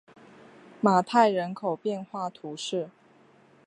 马泰人口变化图示